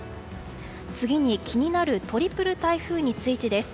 次に、気になるトリプル台風についてです。